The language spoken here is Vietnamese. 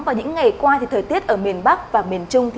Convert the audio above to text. và những ngày qua thời tiết ở miền bắc và miền trung